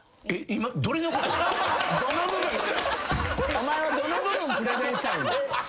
お前はどの部分プレゼンしたいんや。